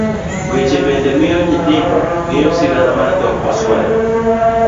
Wende bende miyo nyithindo ng'eyo sigana mar dhok oswayo.